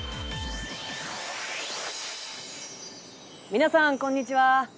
皆さんこんにちは。